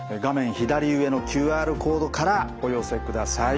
左上のＱＲコードからお寄せください。